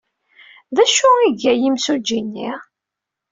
D acu ay iga yimsujji-nni?